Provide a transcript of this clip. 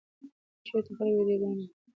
چېرته خلک ویډیوګانې ګوري؟